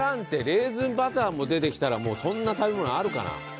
レーズンバターも出てきたらもうそんな食べ物あるかな？